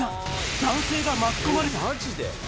男性が巻き込まれた。